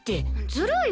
ずるい！